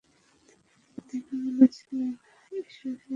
দীনু বলিলেন-এসো হে নীরেন বাবাজী, মাঠের দিকে বেড়াতে গিযেছিলে বুঝি?